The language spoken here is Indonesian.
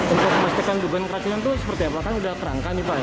untuk memastikan beban keracunan itu seperti apa kan sudah kerangka nih pak ya